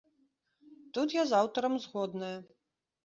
Тут я з аўтарам згодная.